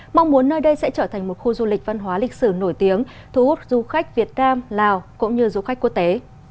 mong muốn nơi đây sẽ trở thành một khu du lịch văn hóa lịch sử nổi tiếng thu hút du khách việt nam lào cũng như du khách quốc tế